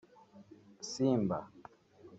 Simba